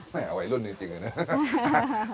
แหมเอาไอ้รุ่นนี้จริงนะ